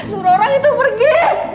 suruh orang itu pergi